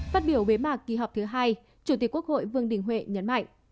phát biểu bế mạc kỳ họp thứ hai chủ tịch quốc hội vương đình huệ nhấn mạnh